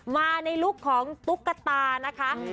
มาในลุคของตุ๊กตานะคะ